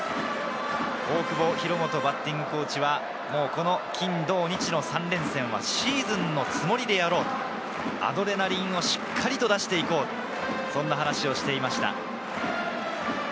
大久保博元バッティングコーチは、金・土・日の３連戦はシーズンのつもりでやろうとアドレナリンをしっかり出して行こうと話しをしていました。